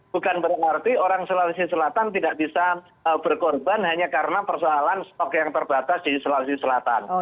bukan berarti orang sulawesi selatan tidak bisa berkorban hanya karena persoalan stok yang terbatas di sulawesi selatan